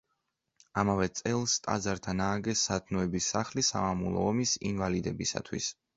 ამავე წელს ტაძართან ააგეს სათნოების სახლი სამამულო ომის ინვალიდებისათვის.